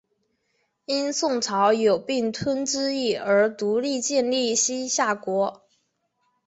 因宋朝有并吞之意而独立建立西夏国。